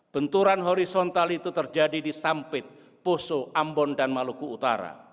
benturan horizontal itu terjadi di sampit poso ambon dan maluku utara